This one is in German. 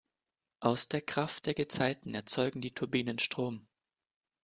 Aus der Kraft der Gezeiten erzeugen die Turbinen Strom.